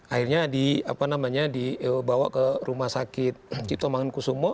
akhirnya dibawa ke rumah sakit cipto mangunkusumo